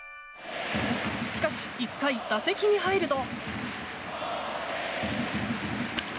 しかし、１回打席に入ると。